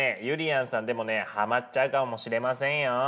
ゆりやんさんでもねハマっちゃうかもしれませんよ。